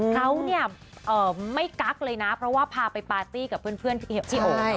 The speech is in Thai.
เขาเนี่ยไม่กั๊กเลยนะเพราะว่าพาไปปาร์ตี้กับเพื่อนที่โอ